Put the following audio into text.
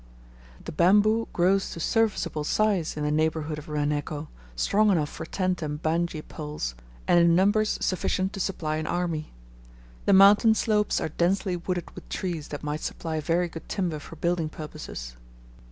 The bamboo grows to serviceable size in the neighbourhood of Rehenneko, strong enough for tent and banghy poles; and in numbers sufficient to supply an army. The mountain slopes are densely wooded with trees that might supply very good timber for building purposes.